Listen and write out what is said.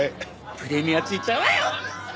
プレミアついちゃうわよこれ！